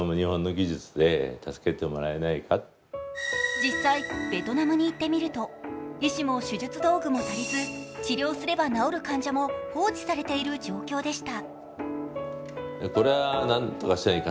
実際、ベトナムに行ってみると医師も手術道具も足りず治療すれば治る患者も放置されている状況でした。